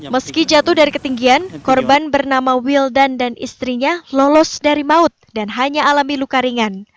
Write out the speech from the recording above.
meski jatuh dari ketinggian korban bernama wildan dan istrinya lolos dari maut dan hanya alami luka ringan